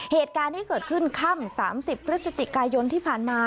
เหตุการณ์ที่เกิดขึ้นค่ำ๓๐พฤศจิกายนที่ผ่านมา